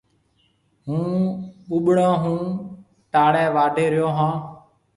هُون ٻُٻڙون هون ٽاݪِي واڍهيَ ريو هون۔